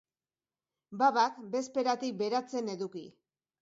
Babak bezperatik beratzen eduki.